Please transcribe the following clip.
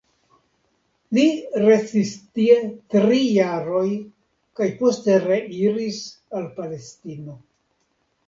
Li restis tie tri jaroj, kaj poste reiris al Palestino.